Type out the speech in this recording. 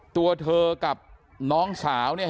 ตัวเธอกับน้องสาวเนี่ย